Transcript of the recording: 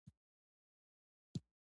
شاعر د خپلې ژبې په پوهه کار کوي.